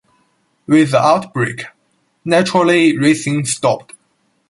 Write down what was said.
With the outbreak, naturally racing stopped.